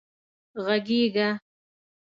غږېږه